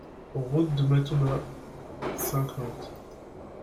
Route de Matouba, Saint-Claude